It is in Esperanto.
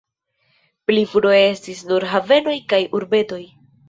Pli frue estis nur havenoj kaj urbetoj.